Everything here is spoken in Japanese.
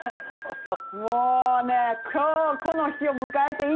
もうね今日。